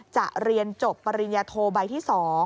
จะเรียนจบปริญญาโทใบที่๒